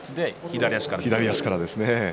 左足からですね